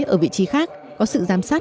ở vị trí khác có sự giám sát